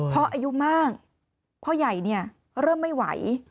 อายุมากพ่อใหญ่เริ่มไม่ไหว